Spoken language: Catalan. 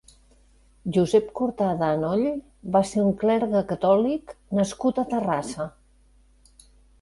Josep Cortada Anoll va ser un clergue catòlic nascut a Terrassa.